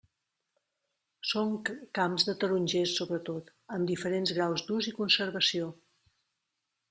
Són camps de tarongers sobretot, amb diferents graus d'ús i conservació.